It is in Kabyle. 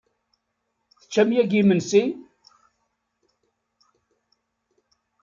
Teččam yagi imensi?